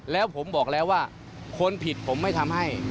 แล้วผมบอกแล้วว่าคนผิดผมไม่ทำให้